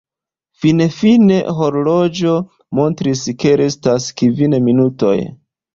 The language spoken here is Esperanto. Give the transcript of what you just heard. Finfine horloĝo montris ke restas kvin minutoj.